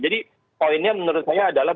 jadi poinnya menurut saya adalah